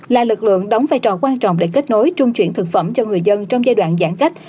là lực lượng đóng vai trò quan trọng để kết nối trung chuyển thực phẩm cho người dân trong giai đoạn giãn cách